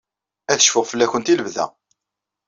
Ad cfuɣ fell-awent i lebda.